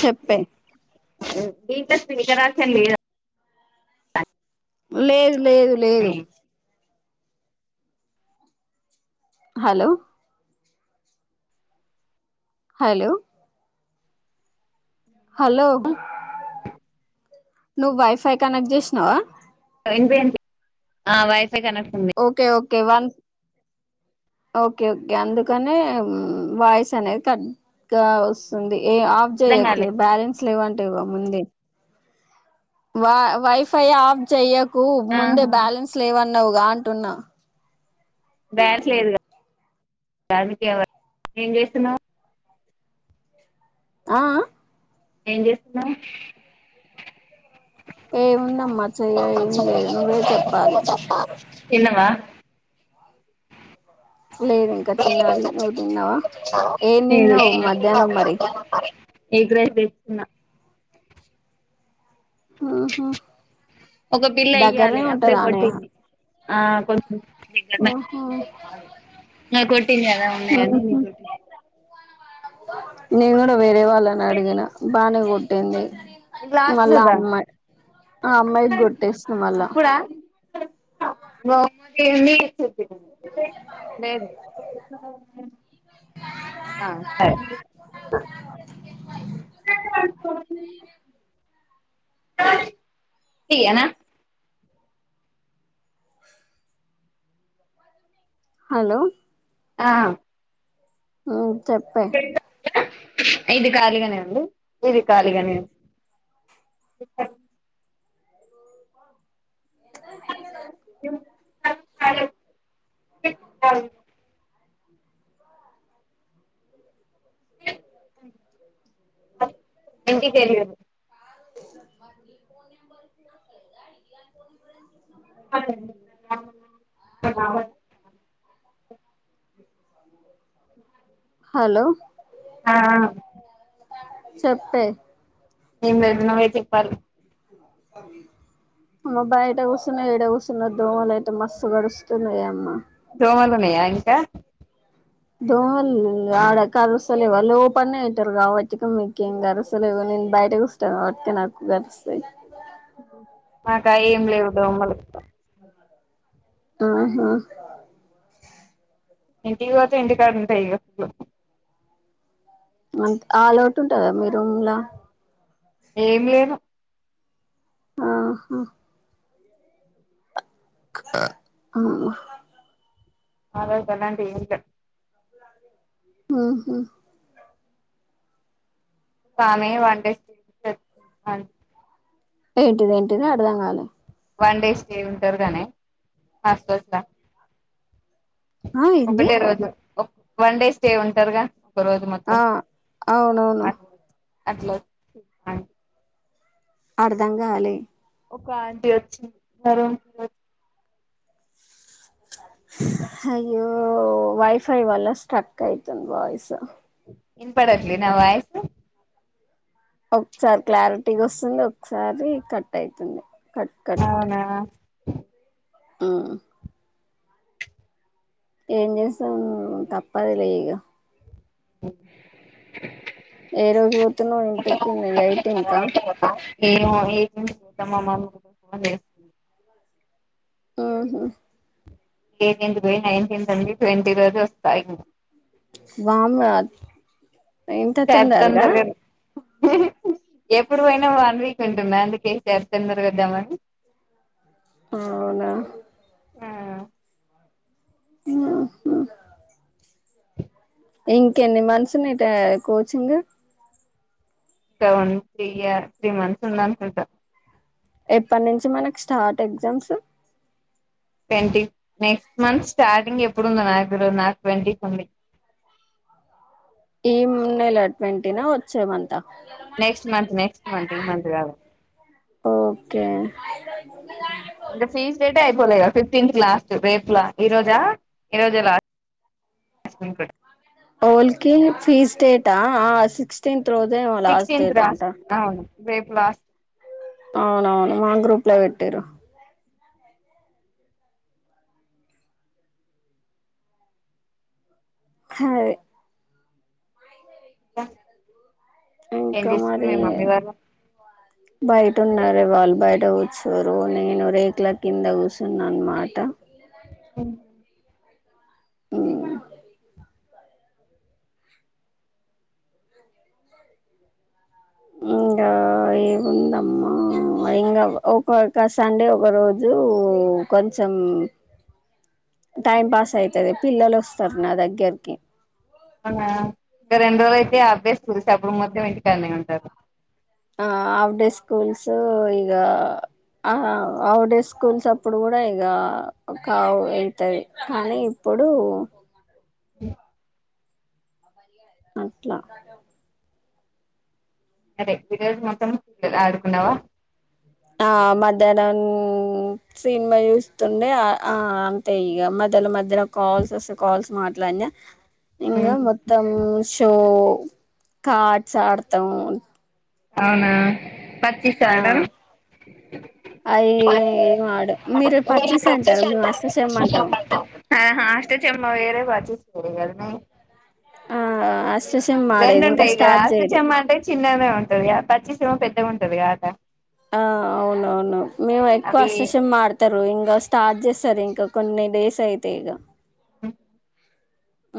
చెప్పే [unintelligible] లేదు లేదు లేదు హలో హలో హలో నువ్వు వైఫై కనెక్ట్ చేసినావ ఆ వై ఫై కనస్తుంది కే వన్ ఓకే ఓకే అందుకనే వాయిస్ అనేది కట్ గా వస్తుంది ఏ ఆఫ్ అర్థం కాలే చేయట్లే బ్యాలెన్స్ లేవంటి వి గా ముందే వా వయిఫై ఆఫ్ చేయకు కు ముందే ఆహా బ్యాలెన్స్ లేవని ఉన్నావుగా అంటున్నా బ్యాలెన్స్ లేదుగా ఏం జేస్తున్నావ్ ఆ ఏం జేస్తున్నావ్ ఏముందమ్మా చెయ్య ఏం లేదు నువ్వే చెప్పాలి తిన్నవ లేదు ఇంకా తినాలి నువ్వు తిన్నావా ఏం తిన్నావ్ లేదు మధ్యాహ్నం మరి ఎగ్ రైస్ దెప్ కున్నా ఆహ ఒక పిల్ల వేయాలి దగ్గరనే ఉంటద అప్పుడే ఆనే కొట్టింది ఆ కొంచెం దగ్గరనే హాహ ఇంకా కొట్టింది కదా ఉన్నాయని హాహు నీకు కొట్టి నేనుకూడు వేరే వాళ్ళనడిగినా బానే గొడ్ టెన్ ఏ హ్మ్ లాస్ట్ మళ్ళా చూద్దాం అమ్మాట్, ఆ అమ్మాయికి గొట్టేస్తు మళ్ళా బొమ్మాదే ఉంది చూప్పియకొండా లేదు. ఆ సరే ఈయనా హలో ఆ హ్మ్మ్ చెప్పే ఇది ఖాళీగనే ఉంది. ఇది ఖాళీగనే ఉత్పట్ అయిందు ఎందుకని [unintelligible] ఎంటిక్ వెళ్ళి చూడు ఫో నబ [unintelligible] బర్ బాగానే హలో ఆహ్ చెప్పే ఏంలేద్ ఇ నువ్వే చెప్పాలి అమ్మ బయట కూర్సున్న ఏడ కూర్సున్న దోమలు అయితే, మస్సు గడుస్తున్నాయె అమ్మ దోమలు ఉన్నాయా నీ యా దోమల్ల్ ఆవిడ కరుస్తలేవ్ వాళ్ళోపన్నేంటారు. రావచ్చింకం మీకేం గరుస్తలేవని, నేన్ బయటకు స్టానా ట్టేనాకు గరిస్తాయి. మాకా ఏంలేవు దోమలు ఆహా ఇంటికి పోతే ఇంటికాడున్నుంటాయిగా ఇంట్లో అ ఆ లోటు ఉంటదా మీ రూమ్లా ఏం లేవు. ఆహా ఆహ [unintelligible] మ్మ్ హు కామే వంటెస్టీ [unintelligible] ఆంది ఏంటిది ఏంటిది అడ్దాంగాలే వన్ డే స్టే ఉంటరు గానీ హాస్టల్స్ లా ఆ ఏంది ఒకటే రోజు ఓక్. వన్ డే స్టే ఉంటారుగా. ఒక రోజు మొత్తం ఆ అవునవును. అట్లే. [unintelligible] అర్ధంకాలే. ఒక ఆంటీ వచ్చింద్. [unintelligible] అయ్యో, వైఫై వల్ల స్ట్రక్ అయింతుంద్ వాయిస్. ఇన్ పడట్లే నా వాయిస్. ఒక్సారి క్లారిటీగా ఓస్తుంది, ఒక్సారి కట్ అయితుంది. కట్ అవునా. ఆ. ఏం చేస్తాం కప్పదిలే ఇగ. ఏ రోజు పోతున్నావ్ ఇంటికి ఎయిటీన్కా. నేను అవి ఎయిటీన్ కి పోతా, మా మమ్మీ. [unintelligible] ఉహుమ్. ఎయిటీన్త్ కి పోయి, నైన్టీన్త్ ఉండి, ట్వంటీ రోజు ఓస్తా. [unintelligible] [unintelligible] చెత్తం. తొందరగా [unintelligible] ఎప్పుడు పోయినా వన్ వీక్ ఉంటున్న, అందుకే ఈ సారి తొందరగా వద్దామని. ఉమ్ అవునా. ఆ. ఉహుమ్. ఇంకెన్ని మంత్స్ నీటా కోచింగు. ఇంకా one, three year, three months ఉందనుకుంటా. ఎప్పటి నుంచి మనకు start exams. Twenty, next month starting ఎప్పుడుందో నాకు తెల్వద్, నాకు ట్వంటీ కి ఉంది. ఈమ్ నెల ట్వంటీనా, వచ్చేమంతా. నెక్స్ట్ మంత్, నెక్స్ట్ మంత్ ఈ మంత్ కాదు. ఓకే. ఇంకా ఫీస్ డేటే అయిపోలేగా, ఫిఫ్టీన్త్ కి లాస్ట్. రేపులా, ఈ రోజా, ఈ రోజే లాస్ట్. హోల్ల్కి ఫీస్ డేటా, ఆ సిక్స్టీన్త్. త్రోజ్ లాస్ట్ సిక్స్టీన్త్ డేట్ అంట. లాస్ట్ అవును రేపు లాస్ట్. అవునవును మా గ్రూప్ లో పెట్టిన్రు. ఖాదే. [unintelligible] ఏం ఇంకా చేస్తున్నారు మరి, మీ మమ్మీ వాళ్ళు బయట్ ఉన్నారే వాళ్ళు బయట్. డౌట్స్ [unintelligible] నేను రేకూల కింద కూర్చున్నా అన్నమాట. అం అ ఇంకా ఏముందమ్మా ఇంకా ఒక్కక్క సండే ఒక రోజు కొంచెం టైం పాస్ అయితది పిల్లలు వస్తారు నా దగ్గరికి ఇంకా రెండు రోజులు అయితే అభేస్ చూసి అప్పుడు మొత్తం ఇంటికన్నే ఉంటారు ఆ ఆఫ్ డే స్కూల్స్ ఇగా అవుట్ డే స్కూల్స్ అప్పుడు కూడా ఇక కవు అతాయి కానీ ఇప్పుడు అ అట్లా అరే ఈ రోజు మొత్తం ఆడుకున్నావా ఆ మధ్యాహనం సినిమా చూస్తుండే ఆ అంతే ఇక మధ్యలో మధ్యలో కాల్స్ వస్తే కాల్స్ మాట్లాడినా ఇంగా ఉమ్. మొత్తం షో కాట్స్ ఆడతం అవునా పచ్చిస్ ఆడడం అవి ఏం ఆడ మీరు పర్చేస్ అంటారు మేము అష్టచమ్మ అంటాం ఆహ అష్ట చెమ్మ వేరే పచ్చిస్ వేరే కదా ఆ అష్ రెండుంటాయి కదా అస్ట చెమ్మ అంటే చిన్నగనే ఉంటది గదా పచ్చిస ఏమో పెద్దగా ఉంటది కదా ఆట ఆ అవునవును మేము ఎక్కువ అవి అస్సచెమ్మ ఆడతారు ఇంగా స్టార్ట్ చేస్ సరే ఇంకా కొన్ని డేస్ అయితే ఇగ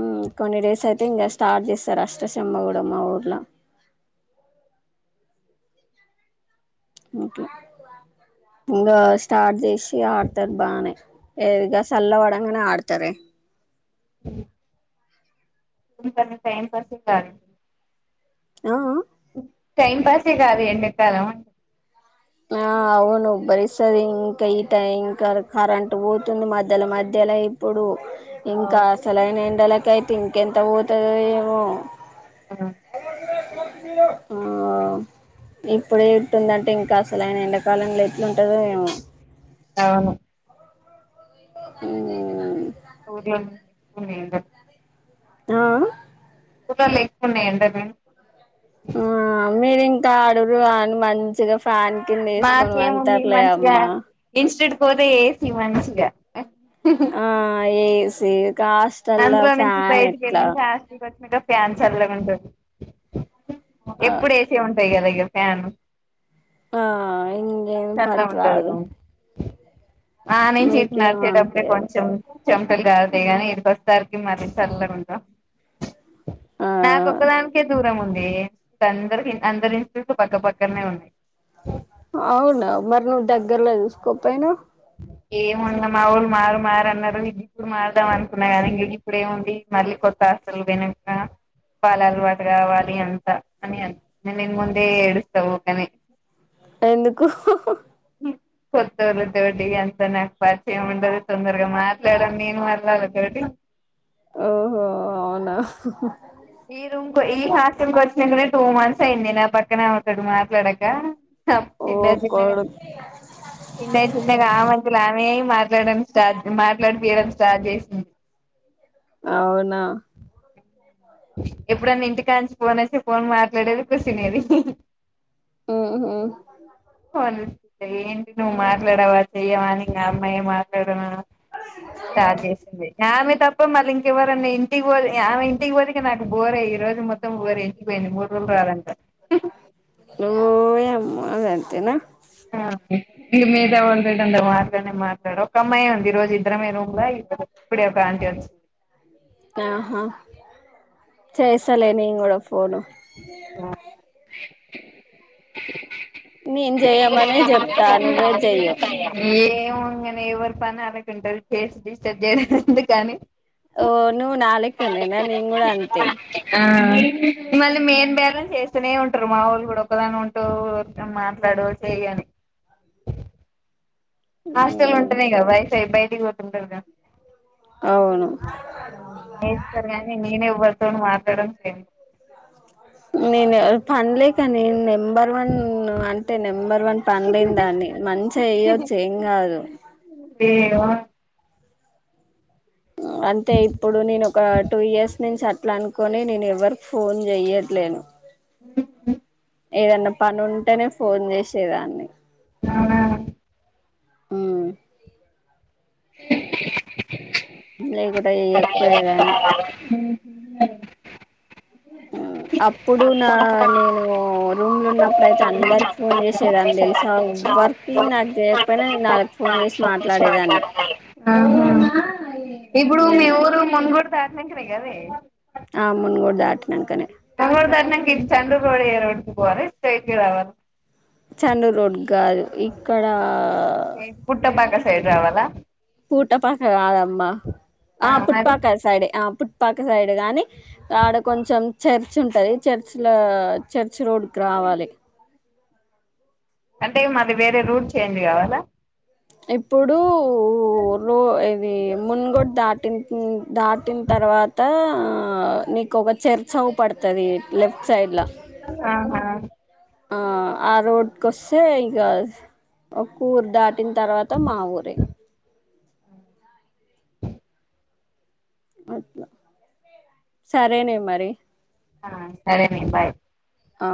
ఉం కొన్ని డేస్ అయితే ఇంకా స్టార్ట్ చేస్తారు అష్టచెమ్మ కూడా మా ఊర్ల ఇంగా స్టార్ చేస్ ఇగ ఆడుతర్ బానే ఏదిగా సల్ల పడంగనే ఆడతరే అ టైం పడస కాన్ ఆ ఆ టైం పాసే కాదు అండ కాలం ఆ అవును ఉబ్బరిస్తది ఇంకా ఈ టైం ఇంకా కరెంటు పోతుంది మధ్యల మధ్యల ఇప్పుడు ఇంకా అవును అసలైైన ఏండలా ఇంకైతే ఇంకెంత పోతదో ఏమో [inaudible] ఆ ఇప్పుడే ఇట్టుందంటే ఇంకా అష్ లైన ఎండాకాలం లై ఉంటదో ఎమో అవును ఉం [unintelligible] ఆ కులర్లేక్కున్నాయండగన్ ఆ మీరి ఇంకా అడుగురు అని మంచిగా ఫ్యాన్ కింద వేసుకొని మాకేముంది పండుతారులే మంచిగా అమ్మా ఇన్స్టట్యూట్ పోతే ఎ సి మంచిగా ఆ అయ్యి ఏసి కాస్ట్ అల్లా అందులో ఫాన్ ఎట్లా క్యాన్సర్లా ఉంట ఆ ఎప్పుడు ఏసే ఉంటు పైగా లే ప్యాన్ ఆ ఇక ఉంటది పట్టదు రూమ్ ఆ నేను చీట్ మత డబ్బడే అనిపియదు కొంచెంం దగా ఏ తర్కి మారి చల్లగా ఉంటాం ఆ నా ఓక్కదానికే దూరం ఉంది అందరి అందరి పక్కపక్కనే ఉన్నాయి అవునా మరి నువ్వు దగ్గరలో చూసుకోపోయినవ్ ఏముంద మా ఊళ్ళు మారు మారన్నారు ఇ ఇప్పుడు మారదాం అనుకున్నా కానీ ఇంక ఇప్పుడు ఏముంది మళ్ళీ కొత్త హాస్టల్ కి వెనక వాాల అలవాటు కావాలి అంత అని అనిపింది నేను ఇం ముందే ఏడుస్తా యూకేనే ఎందుకు కొత్తోళ్ళ తోడి ఎంత నాకు పరిచయం ఉండదు తొందరగా మాట్లాడ నేను మల్లాలతోటి ఓహో అవునా ఏ రూమ్ ఈ హాస్టల్ కి వచ్చినకనే టూ మంత్స్ అయింది నా పక్కనే ఆమె తోటి మాట్లాడాక ఓ చిన్న చిన్నగా కొడుక్ చిన్న చిన్నగా ఆమెంతల ఆమె మాట్లాడని స్టార్ట్ మాట్లాడిపొయ్యడం స్టార్ట్ చేసింది అవునా ఎప్పుడన్న ఇంటికాంచి ఫోన్ వస్తె ఫోన్ మాట్లాడేది కుసునేది ఉహు ఏంటి నువ్వు మాట్లాడవా చెయ్యవా నకా అమ్మాయి మాట్లాడ స్టార్ట్ చేసింది ఆ ఆమె త మల్ల ఎవరన్న ఇంటికి ఆమె ఇంటికి పో నాకు బోరే ఈోజు మొత్తం బోరే పోయింది మూడు రోజులు రాదంట ఓఓ యమ్మ నా ఇ మీద మాట్లానే మాట్లా ఒక అమ్మాయి ఉంది ఈ రోజు ఇద్దరమే రూమ్లా ఇద్దరు ఇప్పుడే ప్ర్రాంతి వచ్చింది ఆహా చేసలే నేను కూడా ఫోను ఆ నేను చేయమనే చెప్తా నువ్వే చెయ్యవు ఇంకా ఎవరి పని వాళ్ళకే ఉంటది చేసి డిస్ట్రబ్ చేసుడు ఎందుకు అని ఓ నువ్ నాలెక్కా నేనా నేను కూడా అంతే మళ్ళీ మెయిన్ బాలన్స్ వెస్తూనే ఉంటారు మా ఊలు కూడా ఒకదానివి ఉంటావ్ నడు చేయని హాస్టల్ ఉంటేనే గ వైఫై బై ఇంటికి పోతుంటారుగా అవును వేస్తారు గాని నేనే వ ఫోన్ మాట్లాడానికి ఏం నేను పనిలేక నేను నెం నెంబర్ వన్ అంటే నెంబర్ వన్ పని లేని దాన్ని మంచిగా చేయచ్చు ఏం కాదు ఏమో అంటే ఇప్పుడు నేను ఒక టూ ఇయర్స్ నేను చెట్ల అనుకొని నేను ఎవ్వరి ఫోన్ చెయట్లేను హ్మ్ హ్మ్ ఏదన్నా పని ఉంటేనే ఫోన్ చేసేదాన్ని అవునా హ్మ్ లేకుండా చేయ్యకపోయదాన్ని అబ్ ఇప్పుడు నా నేను రూమ్ లో ఉన్నప్పుడు అయితే అందరికి ఫోన్ ఆహా చేసి చ్చంద తెలుసా ఎవరికీ నాకు చేయ అంటేనే నాలు ఫోన చేసి మాట్లాడేదాన్ని ఆహా ఇప్పుడు మీ ఊరు ముంగుడు సర్నెకే కదే ఆ మున్గూడు దాటి నంకనే మీది చండూరు రోడ్ ఎ రోడ్ కి పోవాలి స్ట్రెయిట్ గ రావాలి చండూ రోడ్ కాదు ఇక్కడ పుట్ట భాగా సైడ్ రావాలా పూట పాక కాదమ్మా ఆ పుట్పాక సైడే ఎ పక్క సైడ్ గాని అడా కొంచెం చర్చ్ ఉంటది చర్చ్ లో చర్ చర్చ్ రోడ్కి రావాలి అంటే మాది వేరే రూట్ చేంజ్ కావాలా ఇప్పుడు లో ఇది మున్గోడు దాటింది దాటిన తర్వాత నీకు ఒక చర్చి అవ్ పడతది లెఫ్ట్ సైడ్లో ఆహా ఆ ఆ రోడ్ కోస్తే ఇక [unintelligible] పుట్టిన తర్వాత మా ఊరే అ సరే నే మరి ఆ సరేనే బాయ్ ఆ